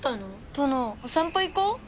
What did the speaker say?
殿お散歩行こう。